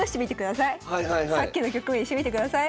さっきの局面にしてみてください。